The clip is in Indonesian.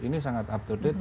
ini sangat up to date